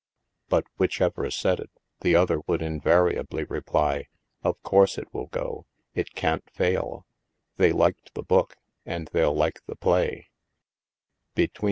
But, whichever said it, the other would invariably reply :" Of course it will go. It can't fail. They liked the book, and they'll like the play."